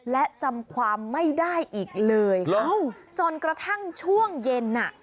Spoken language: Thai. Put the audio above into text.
และจำความไม่ได้อีกเลยค่ะจนกระทั่งช่วงเย็นน่ะ